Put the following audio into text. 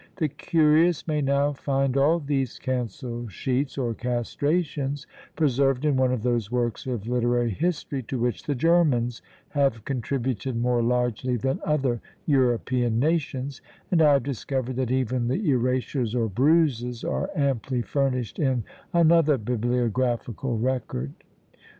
The curious may now find all these cancel sheets, or castrations, preserved in one of those works of literary history, to which the Germans have contributed more largely than other European nations, and I have discovered that even the erasures, or bruises, are amply furnished in another bibliographical record.